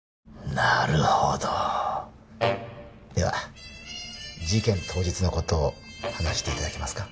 なるほどでは事件当日のことを話していただけますか？